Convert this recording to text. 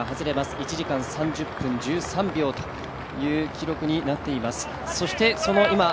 １時間３０分１３秒という記録になっています。